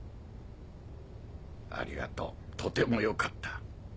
ありがとうとてもよかった。